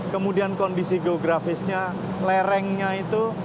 kemudian kondisi geografisnya lerengnya itu